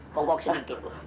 bongkok sedikit bu